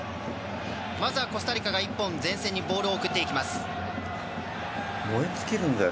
まずはコスタリカが一本、前線にボールを送っていきます。